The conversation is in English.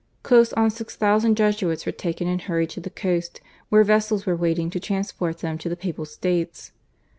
Close on six thousand Jesuits were taken and hurried to the coast, where vessels were waiting to transport them to the Papal States.